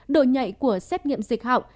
độ nhạy của xét nghiệm dịch họng